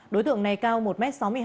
đối tượng này cao một m sáu mươi hai